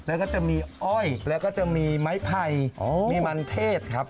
แล้วก็จะมีอ้อยแล้วก็จะมีไม้ไผ่มีมันเทศครับ